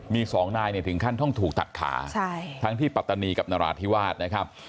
มีสองนายเนี่ยถึงขั้นต้องถูกตัดขาทั้งที่ปัตตานีกับนราธิวาสนะครับ